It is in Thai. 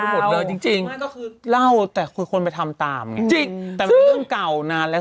หมดเลยจริงจริงไม่ก็คือเล่าแต่คือคนไปทำตามจริงแต่มันเรื่องเก่านานแล้ว